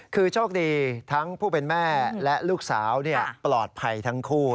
คือโชคดีทั้งผู้เป็นแม่และลูกสาวปลอดภัยทั้งคู่